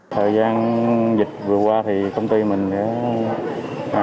thời gian dịch vừa qua thì công ty mình đã